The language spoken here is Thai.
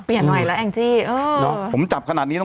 เปลี่ยนใหม่ละแอ้งจี้